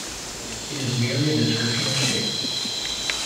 It is merely a description of shape.